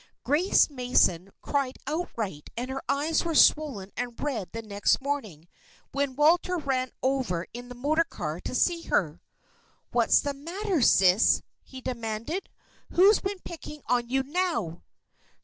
Grace Mason cried outright and her eyes were swollen and red the next morning when Walter ran over in the motor car to see her. "What's the matter, Sis?" he demanded. "Who's been picking on you now?"